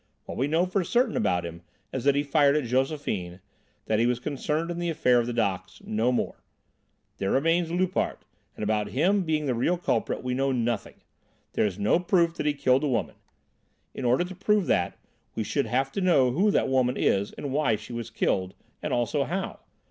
What we know for certain about him is that he fired at Josephine, that he was concerned in the affair of the docks no more. There remains Loupart; and about him being the real culprit we know nothing. There is no proof that he killed the woman. In order to prove that we should have to know who that woman is and why she was killed, and also how.